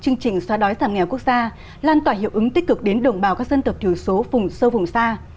chương trình xóa đói giảm nghèo quốc gia lan tỏa hiệu ứng tích cực đến đồng bào các dân tộc thiểu số vùng sâu vùng xa